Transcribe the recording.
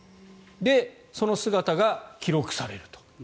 その姿が記録されると。